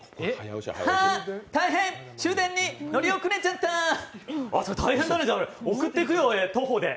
ハッ大変、終電に乗り遅れちゃったあじゃ大変だね、送っていくよ、徒歩で。